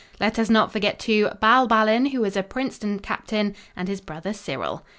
Let us not forget, too, Bal Ballin, who was a Princeton captain, and his brother Cyril.